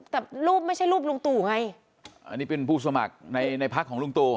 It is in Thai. แต่รูปไม่ใช่รูปลุงตู่ไงอันนี้เป็นผู้สมัครในในพักของลุงตู่